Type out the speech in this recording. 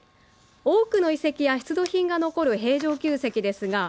多くの遺跡や出土品が残る平城宮跡ですがはい。